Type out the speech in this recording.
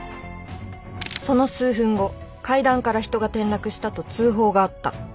その数分後階段から人が転落したと通報があった。